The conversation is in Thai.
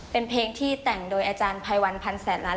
เป็นเพลงที่แต่งโดยอาจารย์ภัยวันพันแสนล้าน